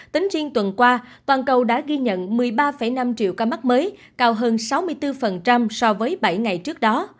tính riêng tuần qua toàn cầu đã ghi nhận một mươi ba năm triệu ca mắc mới cao hơn sáu mươi bốn so với bảy ngày trước đó